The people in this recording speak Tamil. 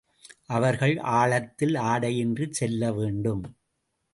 அவர்கள் ஆழத்தில் ஆடையின்றிச் செல்ல வேண்டும்.